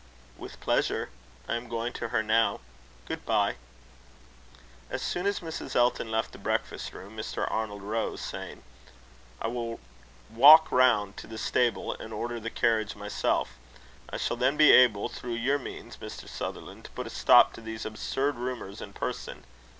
"With pleasure. I am going to her now. Good bye." As soon as Mrs. Elton left the breakfast room, Mr. Arnold rose, saying: "I will walk round to the stable, and order the carriage myself. I shall then be able, through your means, Mr. Sutherland, to put a stop to these absurd rumours in person.